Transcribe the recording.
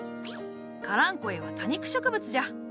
カランコエは多肉植物じゃ。